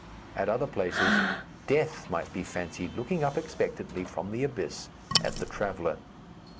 At other places, death might be fancied looking up expectantly, from the abyss, at the traveller.